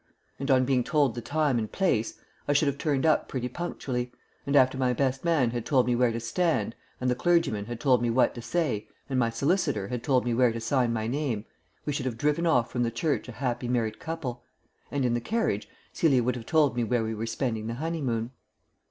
And on being told the time and place, I should have turned up pretty punctually; and after my best man had told me where to stand, and the clergyman had told me what to say, and my solicitor had told me where to sign my name, we should have driven from the church a happy married couple ... and in the carriage Celia would have told me where we were spending the honeymoon.